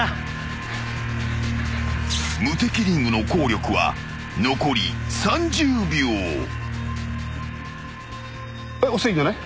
［無敵リングの効力は残り３０秒］押していいんじゃない？